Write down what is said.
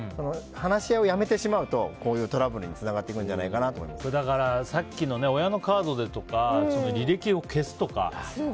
話し合いをやめてしまうとこういうトラブルにつながっていくんじゃないかとさっきの親のカードでとか履歴を消すとか。